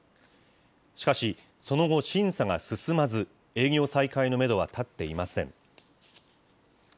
しかし、その後、審査が進まず、営業再開のメドは立っていません。